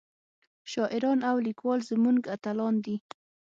شاعران او ليکوال زمونږ اتلان دي